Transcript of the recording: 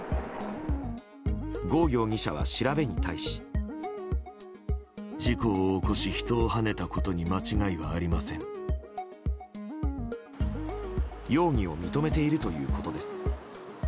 ゴ容疑者は調べに対し。容疑を認めているということです。